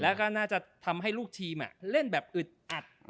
แล้วก็น่าจะทำให้ลูกทีมเล่นแบบอึดอัด